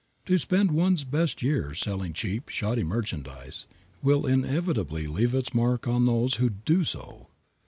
To spend one's best years selling cheap, shoddy merchandise will inevitably leave its mark on those who do so.